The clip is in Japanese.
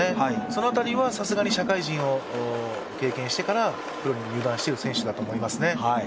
その辺りはさすがに社会人を経験してからプロに入団している選手だと思いますね。